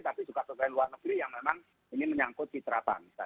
tapi juga pegawai luar negeri yang memang ini menyangkut mitra bangsa